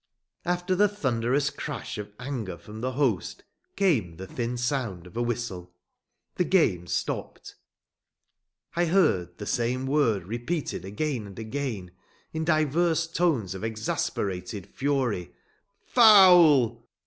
After the thunderous crash of anger from the host came the thin sound of a whistle. The game stopped. I heard the same word repeated again and again, in divers tones of exasperated fury: "Foul!"